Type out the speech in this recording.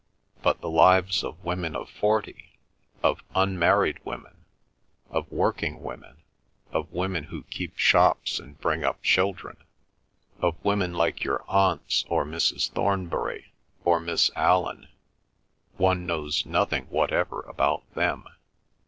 But the lives of women of forty, of unmarried women, of working women, of women who keep shops and bring up children, of women like your aunts or Mrs. Thornbury or Miss Allan—one knows nothing whatever about them.